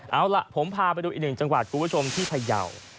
เอาล่ะผมพาไปดูอีกหนึ่งจังหวัดคุณผู้ชมที่พยาว